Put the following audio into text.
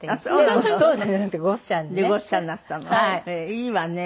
いいわね。